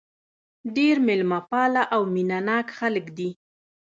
ډېر مېلمه پاله او مینه ناک خلک دي.